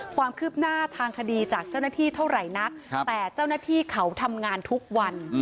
ความคืบหน้าทางคดีจากเจ้าหน้าที่เท่าไหร่นักแต่เจ้าหน้าที่เขาทำงานทุกวัน